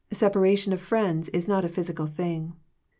Separa tion of friends is not a physical thing.